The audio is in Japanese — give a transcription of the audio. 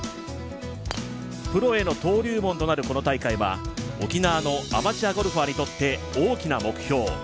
プロへの登竜門となるこの大会は、沖縄のアマチュアゴルファーにとって大きな目標。